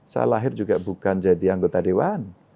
saya lahir juga bukan jadi anggota dewan